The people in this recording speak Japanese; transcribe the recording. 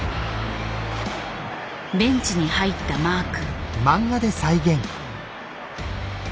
ベンチに入ったマー君。